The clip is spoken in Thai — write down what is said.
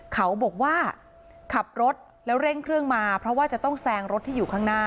เขาบอกว่าขับรถแล้วเร่งเครื่องมาเพราะว่าจะต้องแซงรถที่อยู่ข้างหน้า